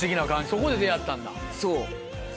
そこで出会ったんだ。